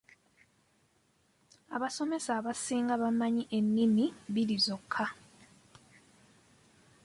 Abasomesa abasinga bamanyi ennimi bbiri zokka